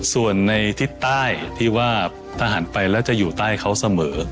ส่วนในทิศใต้ที่ว่าทหารไปแล้วจะอยู่ใต้เขาเสมอ